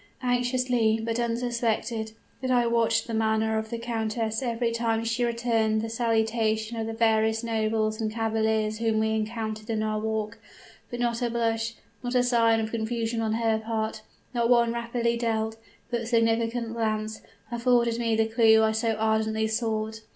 Anxiously, but unsuspected, did I watch the manner of the countess every time she returned the salutation of the various nobles and cavaliers whom we encountered in our walk; but not a blush, not a sign of confusion on her part, not one rapidly dealt, but significant glance, afforded me the clew I so ardently sought.